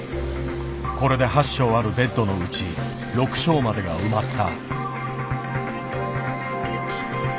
これで８床あるベッドのうち６床までが埋まった。